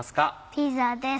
ピザです。